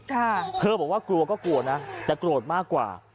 เธอบอกว่ากลัวก็กลัวนะแต่โกรธมากกว่า